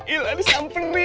il ada sampen mir